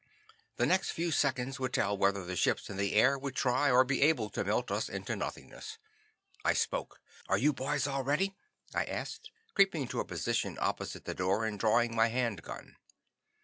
The next few seconds would tell whether the ships in the air would try or be able to melt us into nothingness. I spoke. "Are you boys all ready?" I asked, creeping to a position opposite the door and drawing my hand gun.